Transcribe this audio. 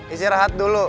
isi rahat dulu